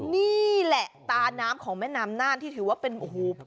นี่แหละตาน้ำของแม่น้ำน่านที่ถือว่าเป็นโอ้โห